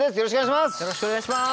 よろしくお願いします！